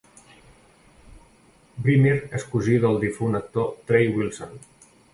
Brimer és cosí del difunt actor Trey Wilson.